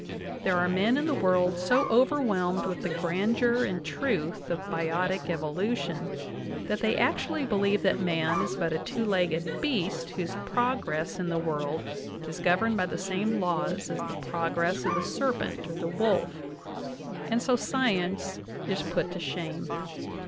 There are men in the world so overwhelmed with the grandeur and truth of biotic evolution that they actually believe that man is but a two legged beast whose progress in the world is governed by the same laws as the progress of the serpent or the wolf ; and so science is put to shame.